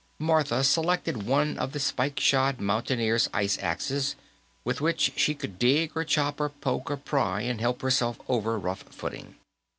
Martha selected one of the spike shod mountaineer's ice axes, with which she could dig or chop or poke or pry or help herself over rough footing.